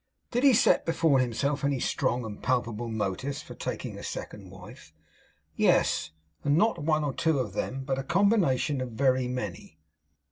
Did he set before himself any strong and palpable motives for taking a second wife? Yes; and not one or two of them, but a combination of very many.